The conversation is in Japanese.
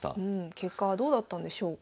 結果はどうだったんでしょうか。